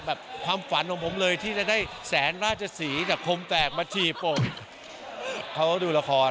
ความฝันของผมเลยที่จะได้แสนราชศรีจากคมแฝกมาถีบผมเขาดูละคร